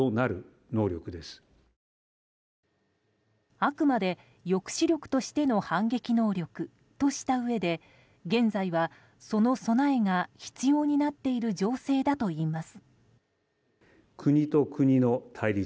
あくまで抑止力としての反撃能力としたうえで現在はその備えが必要になっている情勢だといいます。